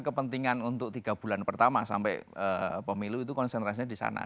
kepentingan untuk tiga bulan pertama sampai pemilu itu konsentrasinya di sana